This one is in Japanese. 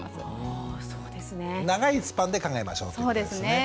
あそうですね。長いスパンで考えましょうということですね。